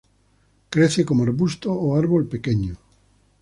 Crece como arbusto o árbol pequeño.